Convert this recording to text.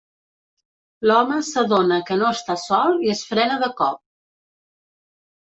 L'home s'adona que no està sol i es frena de cop.